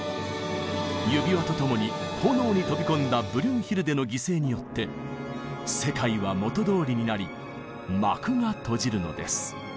「指環」とともに炎に飛び込んだブリュンヒルデの犠牲によって世界は元どおりになり幕が閉じるのです。